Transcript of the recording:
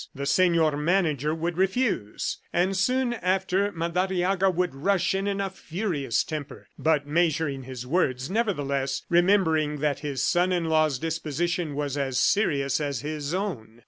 The Senor Manager would refuse, and soon after Madariaga would rush in in a furious temper, but measuring his words, nevertheless, remembering that his son in law's disposition was as serious as his own.